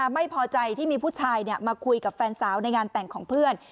ไม่พอใจที่มีผู้ชายมาคุยกับแฟนสาวในงานแต่งของเพื่อน